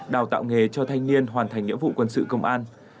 đào tạo nghề cho thanh niên hoàn thành nhiệm vụ quân sự công an